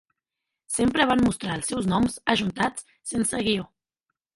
Sempre van mostrar els seus noms ajuntats sense guió.